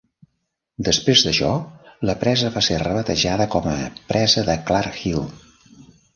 Després d'això, la presa va ser rebatejada com a "Presa de Clark Hill".